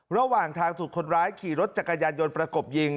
ระหว่างทางถูกคนร้ายขี่รถจักรยานยนต์ประกบยิง